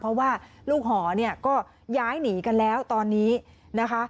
เพราะว่าลูกหอเนี่ยก็ย้ายหนีกันแล้วตอนนี้นะคะ